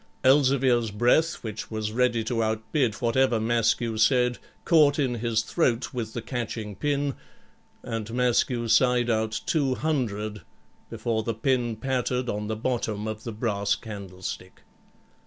Elzevir's breath, which was ready to outbid whatever Maskew said, caught in his throat with the catching pin, and Maskew sighed out 200, before the pin pattered on the bottom of the brass candlestick.